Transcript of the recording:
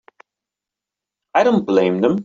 I don't blame them.